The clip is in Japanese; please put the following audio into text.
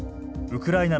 ウクライナ